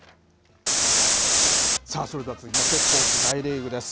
さあ、それでは続きまして、スポーツ、大リーグです。